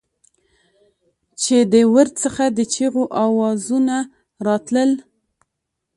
چې د ورد څخه د چېغو اوزونه راتلل.